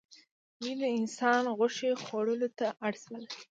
دوی د انسان غوښې خوړلو ته اړ شول.